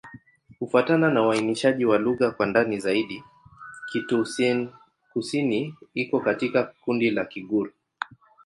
Kufuatana na uainishaji wa lugha kwa ndani zaidi, Kitoussian-Kusini iko katika kundi la Kigur.